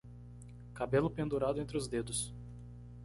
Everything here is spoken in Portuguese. Cabelo pendurado entre os dedos